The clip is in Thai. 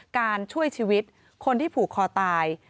ช่วยชีวิตคนที่ผูกคอตาย